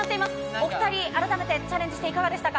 お２人、改めてチャレンジしていかがでしたか？